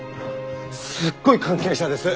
すっごい関係者です。